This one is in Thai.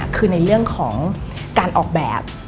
คือในเรื่องของการออกแบบ